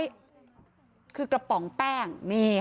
นี่คือกระป๋องแป้ง